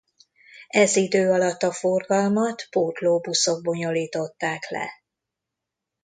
Ez idő alatt a forgalmat pótlóbuszok bonyolították le.